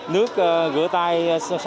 nước rửa tay